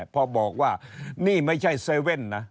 พอบอกว่านี่ไม่ใช่เซเว่นนะ